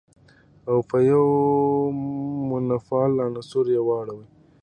او په يوه منفعل عنصر يې واړوله.